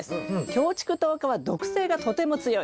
キョウチクトウ科は毒性がとても強いです。